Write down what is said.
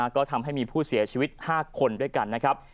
ก็ทำให้มีผู้เสียชีวิต๕คนด้วยกันนะครับ